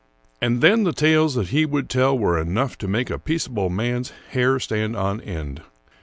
And then the tales that he would tell were enough to make a peaceable man's hair stand on end.